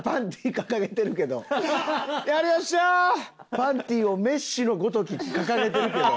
パンティをメッシのごとき掲げてるけど。